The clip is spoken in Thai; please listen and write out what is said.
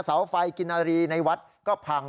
เสาไฟกินนารีในวัดก็พัง